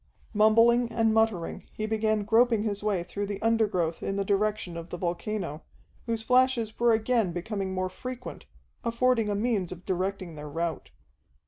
Mumbling and muttering, he began groping his way through the undergrowth in the direction of the volcano, whose flashes were again becoming more frequent, affording a means of directing their route.